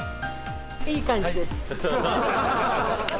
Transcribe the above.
いい感じです。